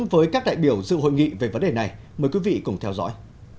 với các đại biểu dự hội nghị về vấn đề này mời quý vị cùng theo dõi